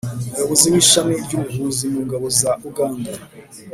umuyobozi w'ishami ry'ubuvuzi mu ngabo za uganda,